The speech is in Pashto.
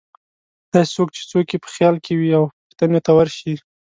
داسې څوک چې څوک یې په خیال کې وې او پوښتنې ته ورشي.